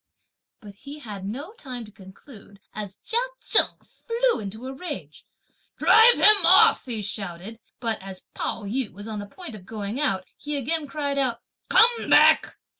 But he had no time to conclude, as Chia Cheng flew into a rage. "Drive him off," he shouted; (but as Pao yü) was on the point of going out, he again cried out: "Come back!